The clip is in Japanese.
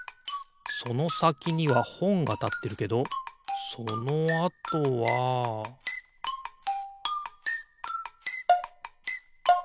そのさきにはほんがたってるけどそのあとはピッ！